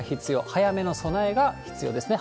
早めの備えが必要ですね。